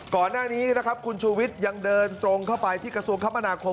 ก่อนหน้านี้นะครับคุณชูวิทย์ยังเดินตรงเข้าไปที่กระทรวงคมนาคม